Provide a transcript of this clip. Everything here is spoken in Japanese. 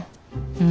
うん。